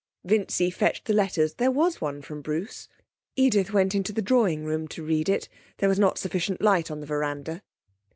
Vincy fetched the letters. There was one from Bruce. Edith went into the drawing room to read it; there was not sufficient light on the veranda....